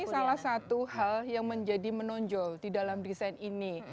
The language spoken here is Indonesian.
ini salah satu hal yang menjadi menonjol di dalam desain ini